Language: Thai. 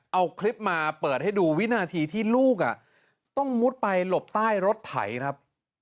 เอาคลิปมาเปิดให้ดูวินาทีที่ลูกต้องมุดไปหลบใต้รถไถครับ